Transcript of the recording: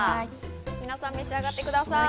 皆さん、召し上がってください。